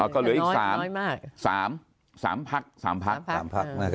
ก็เหลืออีก๓พัก